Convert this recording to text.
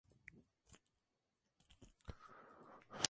Sus trabajos sentaron las bases del conocimiento de nuestro pasado.